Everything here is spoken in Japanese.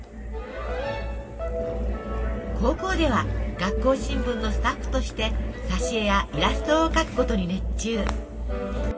高校では学校新聞のスタッフとして挿絵やイラストを描くことに熱中。